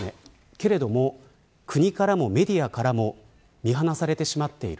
けれども国からもメディアからも見放されてしまっている。